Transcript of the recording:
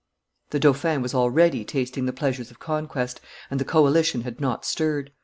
The dauphin was already tasting the pleasures of conquest, and the coalition had not stirred.